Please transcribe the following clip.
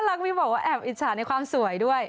รักพี่บอกว่าแอบอิจฉาในความสวยด้วย